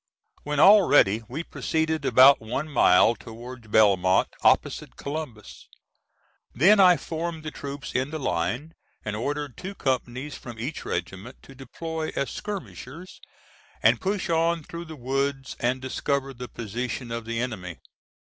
When all ready we proceeded about one mile towards Belmont opposite Columbus; then I formed the troops into line, and ordered two companies from each regiment to deploy as skirmishers, and push on through the woods and discover the position of the enemy.